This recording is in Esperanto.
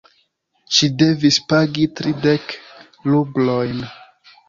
Ŝi devis pagi tridek rublojn.